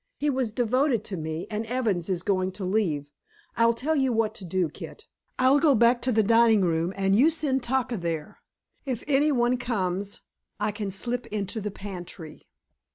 "He was devoted to me, and Evans is going to leave. I'll tell you what to do, Kit. I'll go back to the dining room, and you send Taka there. If any one comes, I can slip into the pantry."